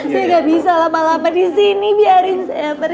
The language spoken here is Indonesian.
saya gak bisa lama lama disini biarin saya pergi